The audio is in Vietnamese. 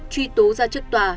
truy tố ra chức tòa